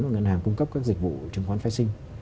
và ngân hàng cung cấp các dịch vụ chứng khoán phái sinh